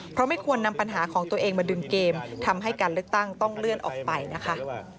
เพราะไม่ควรนำปัญหาของตัวเองมาดึงเกมทำให้การเลือกตั้งต้องเลื่อนออกไปนะคะ